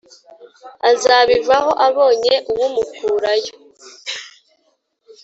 azabivaho abonye uw’umukurayo"